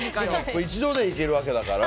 一度でいけるわけだから。